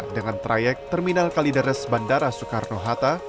dengan trayek terminal kalideres bandara soekarno hatta